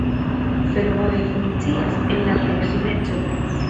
Fervojo funkcias en la proksimeco.